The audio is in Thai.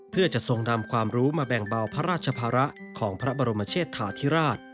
เพื่อจะทรงนำความรู้มาแบ่งเบาพระราชภาระของพระบรมเชษฐาธิราช